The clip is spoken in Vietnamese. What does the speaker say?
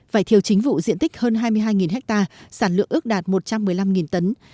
vải thiều chính vụ diện tích hơn hai mươi hai ha sản lượng ước đạt một trăm một mươi năm tấn